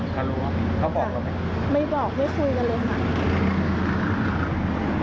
เขาบอกเขาไม่ได้คุยใช่ไหม